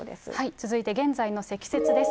続いて現在の積雪です。